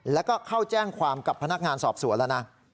แล้วก็เข้าแจ้งความกับพนักงานสอบสวนแล้วนะ